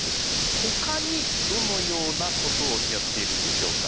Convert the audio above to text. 他にどのようなことをやっているんでしょうか？